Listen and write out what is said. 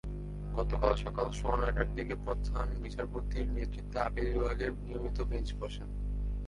গতকাল সকাল সোয়া নয়টার দিকে প্রধান বিচারপতির নেতৃত্বে আপিল বিভাগের নিয়মিত বেঞ্চ বসেন।